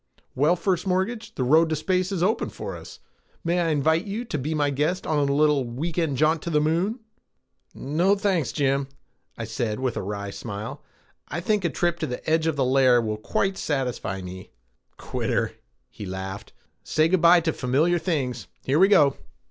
Well, First Mortgage, the road to space is open for us. May I invite you to be my guest on a little week end jaunt to the Moon?" "No thanks, Jim," I said with a wry smile. "I think a little trip to the edge of the layer will quite satisfy me." "Quitter," he laughed. "Well, say good by to familiar things. Here we go!"